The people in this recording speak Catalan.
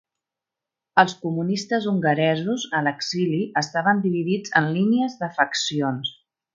Els comunistes hongaresos a l'exili estaven dividits en línies de faccions.